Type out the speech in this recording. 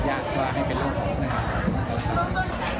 จากเดิมที่เรามีตำรวจผู้ทอนวิทยาหารมีอาสาสมัคร